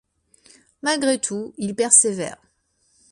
Malgré tout il persévère.